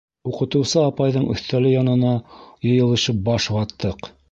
Уҡытыусы апайҙың өҫтәле янына йыйылышып баш ваттыҡ.